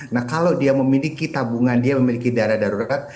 nah kalau dia memiliki tabungan dia memiliki dana darurat